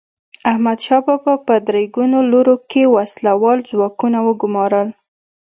احمدشاه بابا په درې ګونو لورو کې وسله وال ځواکونه وګمارل.